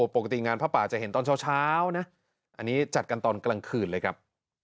ปกติงานผ้าป่าจะเห็นตอนเช้านะอันนี้จัดกันตอนกลางคืนเลยครับ